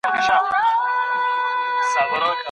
ایا مخکي په دې اړه تفصيلي بحث تېر سوی دی؟